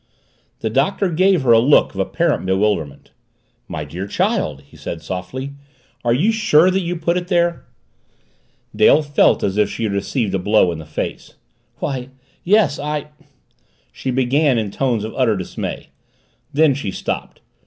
The Doctor gave her a look of apparent bewilderment. "My dear child," he said softly, "are you sure that you put it there?" Dale felt as if she had received a blow in the face. "Why, yes I " she began in tones of utter dismay. Then she stopped.